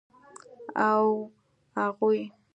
او اغوئ.